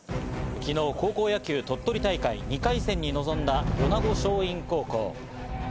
昨日、高校野球鳥取大会２回戦に臨んだ米子松蔭高校。